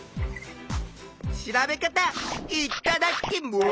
調べかたいっただっきます！